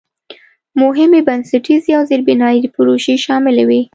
مهمې بنسټیزې او زېربنایي پروژې شاملې وې.